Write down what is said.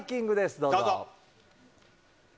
どうぞ。